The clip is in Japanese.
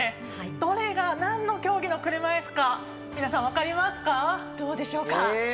どれが、なんの競技の車いすか皆さん分かりますか？